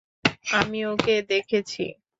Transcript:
আমি ওকে দেখেছি।